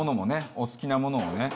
お好きなものをね。